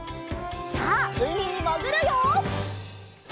さあうみにもぐるよ！